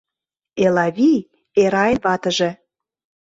Элавий — Эрайын ватыже.